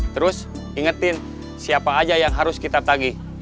terus ingetin siapa aja yang harus kita tagih